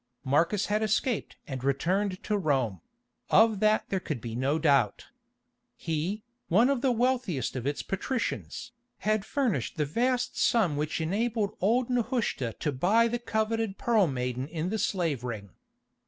Marcus had escaped and returned to Rome; of that there could be no doubt. He, one of the wealthiest of its patricians, had furnished the vast sum which enabled old Nehushta to buy the coveted Pearl Maiden in the slave ring.